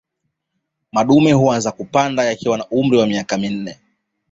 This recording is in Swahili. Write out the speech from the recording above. Madume huanza kupanda yakiwa na umri wa miaka minne